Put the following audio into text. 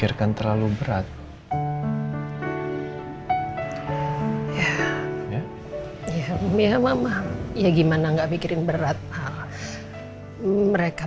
ya kan sekarang semua udah clear kan